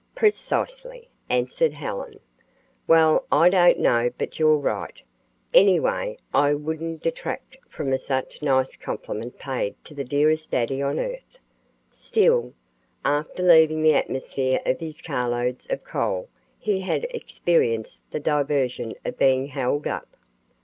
"Precisely," answered Helen. "Well, I don't know but you're right. Anyway, I wouldn't detract from such a nice compliment paid to the dearest daddy on earth. Still, after leaving the atmosphere of his carloads of coal he had experienced the diversion of being held up."